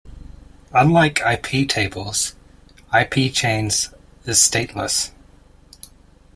Unlike iptables, ipchains is stateless.